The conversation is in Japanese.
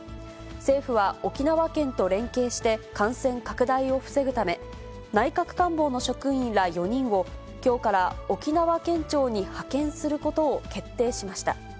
政府は沖縄県と連携して、感染拡大を防ぐため、内閣官房の職員ら４人を、きょうから沖縄県庁に派遣することを決定しました。